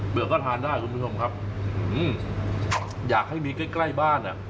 ก็ทานได้คุณผู้ชมครับอยากให้มีใกล้ใกล้บ้านอ่ะ